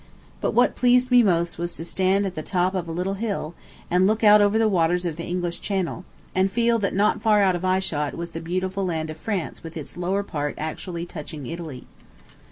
But what pleased me most was to stand at the top of a little hill, and look out over the waters of the English Channel, and feel that not far out of eyeshot was the beautiful land of France with its lower part actually touching Italy.